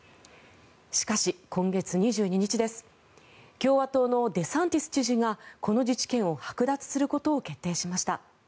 しかし、今月２２日です共和党のデサンティス知事がこの自治権をはく奪することを決定しました。